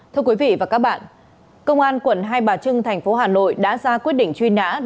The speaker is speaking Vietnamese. thưa quý vị và các bạn công an quận hai bà trưng thành phố hà nội đã ra quyết định truy nã